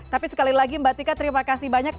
tapi sekali lagi mbak tika terima kasih banyak